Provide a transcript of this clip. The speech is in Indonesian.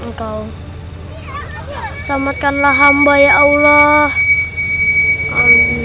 iya ngapain juga kita berantem kayak gini